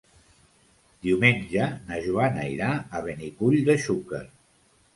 Diumenge na Joana irà a Benicull de Xúquer.